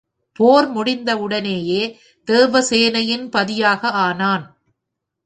போர் முடிந்தவுடனேயே, தேவசேனையின் பதியாக ஆனான்.